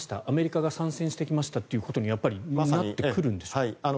アメリカが参戦してきましたってことにやっぱりなってくるんでしょうか？